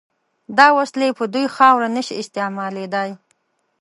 دا وسلې په دوی خاوره نشي استعمالېدای.